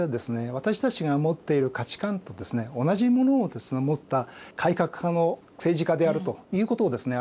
私たちが持っている価値観と同じものを持った改革派の政治家であるということをですね